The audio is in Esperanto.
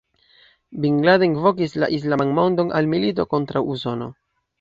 Bin Laden vokis la islaman mondon al milito kontraŭ Usono.